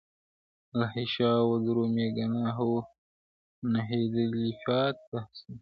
لهشاوردروميګناهونهيېدلېپاتهسي,